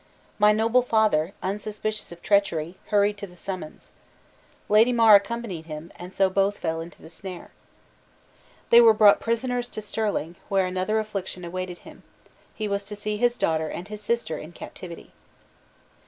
My noble father, unsuspicious of treachery, hurried to the summons. Lady Mar accompanied him, and so both fell into the snare. "They were brought prisoners to Stirling, where another affliction awaited him; he was to see his daughter and his sister in captivity.